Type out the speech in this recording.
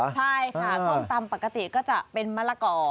ใช่ค่ะส้มตำปกติก็จะเป็นมะละก่อ